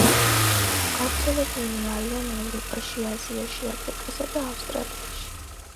გავრცელებულნი არიან ევროპაში, აზიაში, აფრიკასა და ავსტრალიაში.